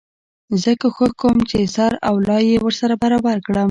زه کوښښ کوم چي سر او لای يې ورسره برابر کړم.